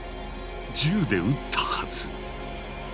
銃で撃ったはず。